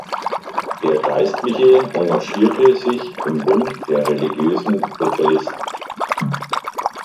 Der Geistliche engagierte sich im Bund der Religiösen Sozialisten.